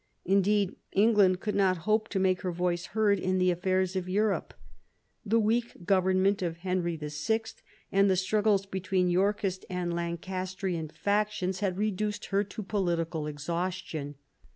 Indeed England could not hope to make her voice heard in the afiEJEurs of Europe. The weak government of Henry VI., and the struggles between the Yorkist and Lancastrian factions, had reduced her to political exhaustion.